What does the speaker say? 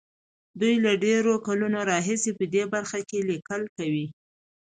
دوی له ډېرو کلونو راهيسې په دې برخه کې ليکل کوي.